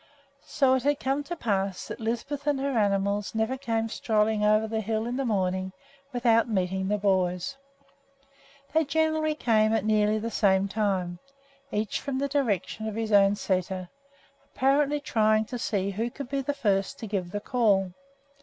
So it had come to pass that Lisbeth and her animals never came strolling over the hill in the morning without meeting the boys. They generally came at nearly the same time, each from the direction of his own sæter, apparently trying to see who could be the first to give the call.